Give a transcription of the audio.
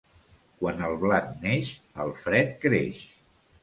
Quan el blat neix el fred creix.